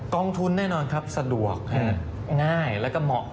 กองทุนแน่นอนครับสะดวกง่ายแล้วก็เหมาะ